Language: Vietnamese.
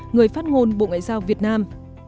người phát ngôn bộ ngoại giao việt nam